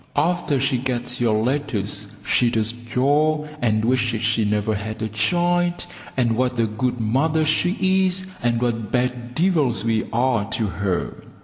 After she gets your letters she does jaw, and wishes she never had a child, and what a good mother she is, and what bad devils we are to her.